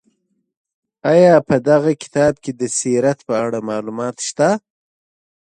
آیا په دغه کتاب کې د سیرت په اړه معلومات شته؟